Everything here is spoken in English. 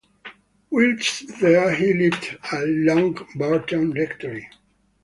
Whilst there he lived at Longburton Rectory.